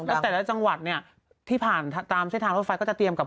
นะตัวจังหวัดเนี่ยที่ผ่านตามเชฟภาพก็จะเตรียมกับ